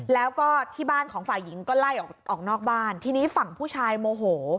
แล้วก็ที่บ้านของฝ่ายหญิงก็ไล่ออกออกนอกบ้านทีนี้ฝั่งผู้ชายโมโห